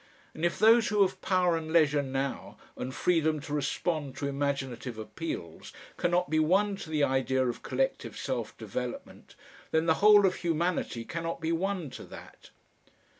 And if those who have power and leisure now, and freedom to respond to imaginative appeals, cannot be won to the idea of collective self development, then the whole of humanity cannot be won to that.